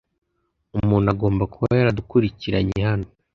Umuntu agomba kuba yaradukurikiranye hano.